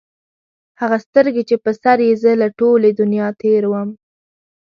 هغه سترګي چې په سر یې زه له ټولي دنیا تېر وم